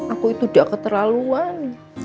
aku itu udah keterlaluan